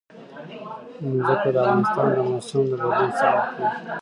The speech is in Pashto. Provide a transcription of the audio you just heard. ځمکه د افغانستان د موسم د بدلون سبب کېږي.